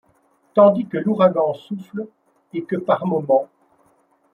Tandis que l’ouragan souffle, et que par moment